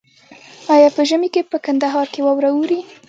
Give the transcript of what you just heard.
آیا په ژمي کې په کندهار کې واوره اوري؟